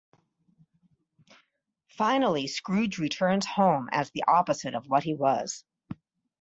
Finally Scrooge returns home as the opposite of what he was.